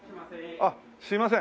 あっすいません。